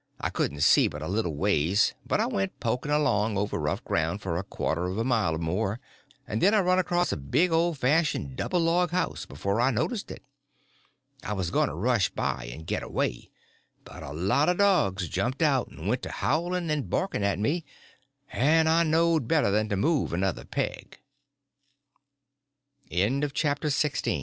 I couldn't see but a little ways, but I went poking along over rough ground for a quarter of a mile or more, and then I run across a big old fashioned double log house before I noticed it. I was going to rush by and get away, but a lot of dogs jumped out and went to howling and barking at me, and I knowed better than to move another peg. CHAPTER XVII. In about a minut